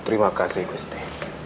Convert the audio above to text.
terima kasih gusti